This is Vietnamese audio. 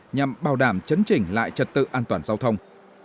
nhằm bảo đảm chấn chỉnh lại trật tự an toàn giao thông